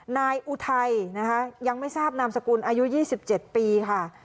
นายอุไทยนะคะยังไม่ทราบนามสกุลอายุยี่สิบเจ็ดปีค่ะ